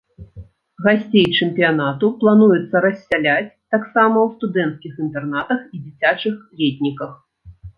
Гасцей чэмпіянату плануецца рассяляць таксама ў студэнцкіх інтэрнатах і дзіцячых летніках.